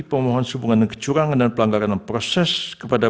pemohon sehubungan dengan kecurangan dan pelanggaran proses kepada